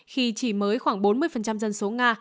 khi chỉ mới khoảng bốn mươi dân số nga